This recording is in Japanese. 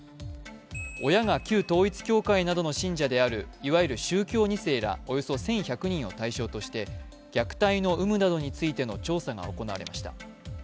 親が旧統一教会などの信者であるいわゆる宗教２世らおよそ１１００人を対象として虐待の有無などについての調査が行われました。